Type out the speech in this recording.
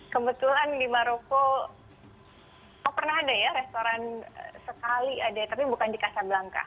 kebetulan di maroko pernah ada ya restoran sekali ada tapi bukan di casablanca